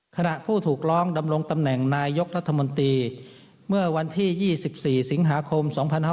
ผู้ถูกร้องดำรงตำแหน่งนายกรัฐมนตรีเมื่อวันที่๒๔สิงหาคม๒๕๕๙